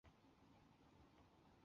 七十五年台大聘为荣誉教授。